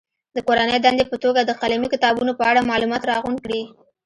د کورنۍ دندې په توګه د قلمي کتابونو په اړه معلومات راغونډ کړي.